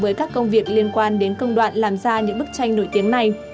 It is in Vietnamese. với các công việc liên quan đến công đoạn làm ra những bức tranh nổi tiếng này